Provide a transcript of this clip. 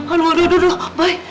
aduh aduh aduh boy